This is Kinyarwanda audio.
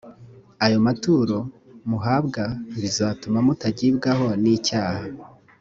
ayomaturo muhabwa bizatuma mutagibwaho nicyaha.